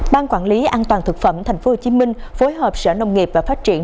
ban quản lý an toàn thực phẩm tp hcm phối hợp sở nông nghiệp và phát triển